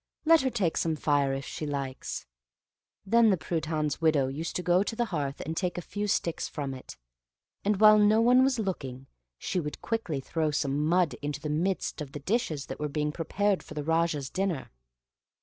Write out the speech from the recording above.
Let her take some fire if she likes." Then the Prudhan's widow used to go to the hearth and take a few sticks from it; and while no one was looking, she would quickly throw some mud into the midst of the dishes which were being prepared for the Raja's dinner.